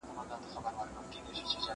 زه اوږده وخت د سبا لپاره د يادښتونه يادوم